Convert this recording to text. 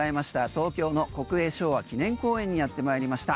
東京の国営昭和記念公園にやってまいりました。